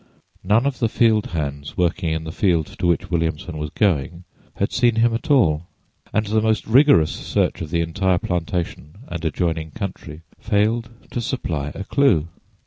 None of the field hands working in the field to which Williamson was going had seen him at all, and the most rigorous search of the entire plantation and adjoining country failed to supply a clew.